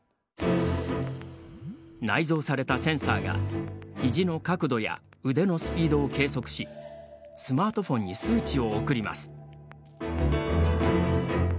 内蔵されたセンサーが肘の角度や腕のスピードを計測しスマートフォンに数値を送ります。